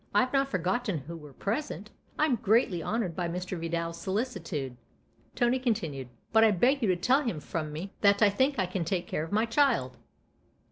" I've not forgotten who were present ! I'm greatly honoured by Mr. Vidal's solicitude," Tony continued ;" but I beg you to tell him from me that I think I can take care of my child."